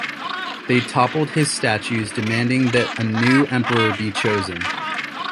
They toppled his statues, demanding that a new emperor be chosen.